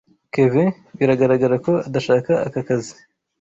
Kevin biragaragara ko adashaka aka kazi.